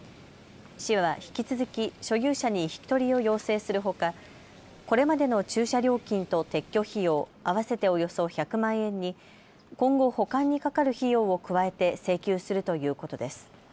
市は引き続き所有者に引き取りを要請するほかこれまでの駐車料金と撤去費用合わせておよそ１００万円に今後、保管にかかる費用を加えて請求するということです。